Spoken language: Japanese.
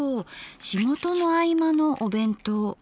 仕事の合間のお弁当。